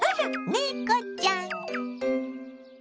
猫ちゃん！